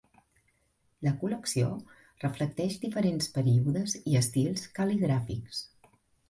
La col·lecció reflecteix diferents períodes i estils cal·ligràfics.